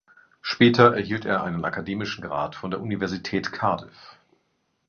Später erhielt er seinen akademischen Grad von der Universität Cardiff.